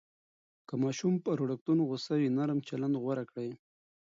که ماشوم پر وړکتون غوصه وي، نرم چلند غوره کړئ.